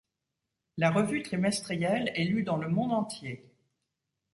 La revue trimestrielle est lue dans le monde entier.